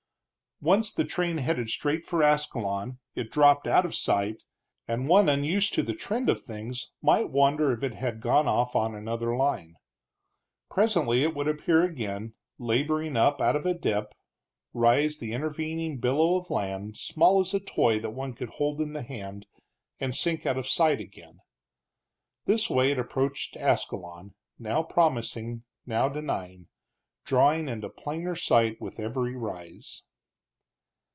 Once the train headed straight for Ascalon it dropped out of sight, and one unused to the trend of things might wonder if it had gone off on another line. Presently it would appear again, laboring up out of a dip, rise the intervening billow of land, small as a toy that one could hold in the hand, and sink out of sight again. This way it approached Ascalon, now promising, now denying, drawing into plainer sight with every rise.